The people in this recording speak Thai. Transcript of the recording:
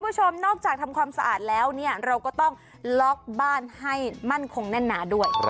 คุณผู้ชมนอกจากทำความสะอาดแล้วเนี่ยเราก็ต้องล็อกบ้านให้มั่นคงแน่นหนาด้วย